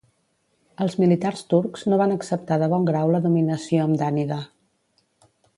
Els militars turcs no van acceptar de bon grau la dominació hamdànida.